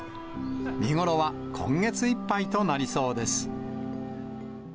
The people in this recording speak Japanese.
見頃は今月いっぱいとなりそうです。